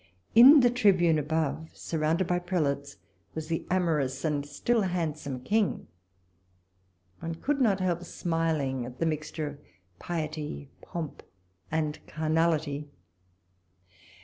In the Tribune above, surrounded by prelates, was the amorous and still handsome King. One could not help smiling at the mixture of piety, pomp, and carnality.